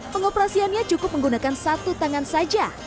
pengoperasiannya cukup menggunakan satu tangan saja